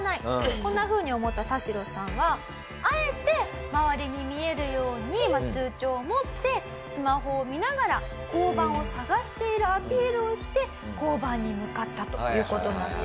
こんなふうに思ったタシロさんはあえて周りに見えるように通帳を持ってスマホを見ながら交番を探しているアピールをして交番に向かったという事なんです。